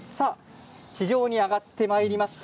地上に上がってまいりました。